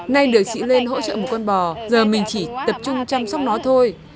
ngay được chị lên hỗ trợ một con bò giờ mình chỉ tập trung chăm sóc nó thôi